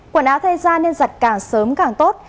quần áo thay da nên giặt càng sớm càng tốt